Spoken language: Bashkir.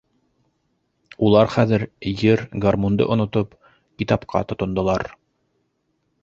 Улар хәҙер, йыр, гармунды онотоп, китапҡа тотондолар.